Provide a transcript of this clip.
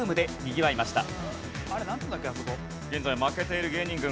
現在負けている芸人軍。